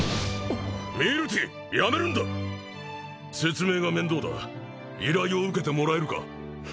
ミルティーやめるんだ説明が面倒だ依頼を受けてもらえるか？